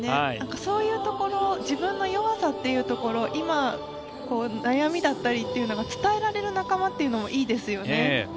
そういう自分の弱さというところを今、悩みだったりというのが伝えられる仲間というのもいいですよね。